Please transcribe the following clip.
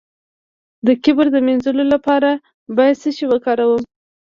د کبر د مینځلو لپاره باید څه شی وکاروم؟